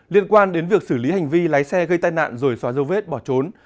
liên quan đến việc xử lý hành vi lái xe gây tai nạn rồi xóa dấu vết bỏ trốn